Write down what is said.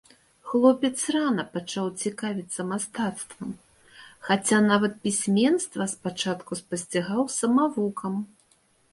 Хлопец рана пачаў цікавіцца мастацтвам, хаця нават пісьменства спачатку спасцігаў самавукам.